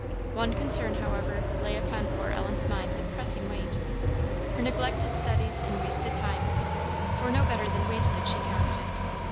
One concern, however, lay upon poor Ellen's mind with pressing weight her neglected studies and wasted time; for no better than wasted she counted it.